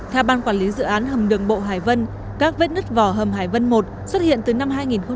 theo ban quản lý dự án hầm đường bộ hải vân các vết nứt vỏ hầm hải vân một xuất hiện từ năm hai nghìn một mươi